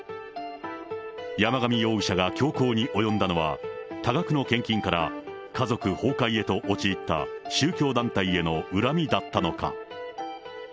山上容疑者が凶行に及んだのは、多額の献金から、家族崩壊へと陥った宗教団体への恨みだったのか。